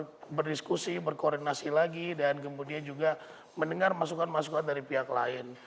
kita berdiskusi berkoordinasi lagi dan kemudian juga mendengar masukan masukan dari pihak lain